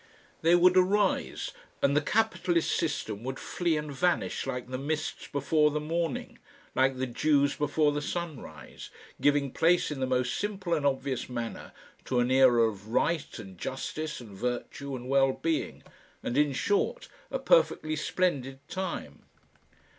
They would arise and the capitalist system would flee and vanish like the mists before the morning, like the dews before the sunrise, giving place in the most simple and obvious manner to an era of Right and Justice and Virtue and Well Being, and in short a Perfectly Splendid Time.